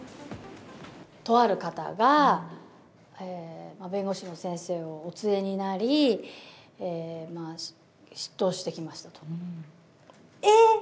とある方が、弁護士の先生をお連れになり、出頭してきましたと。